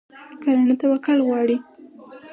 کرنه توکل غواړي.